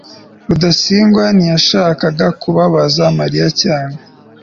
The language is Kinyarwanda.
rudasingwa ntiyashakaga kubabaza mariya cyane